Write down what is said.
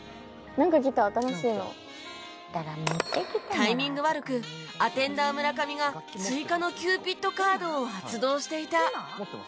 タイミング悪くアテンダー村上が追加のキューピッドカードを発動していた